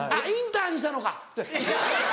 「インター」にしたのか。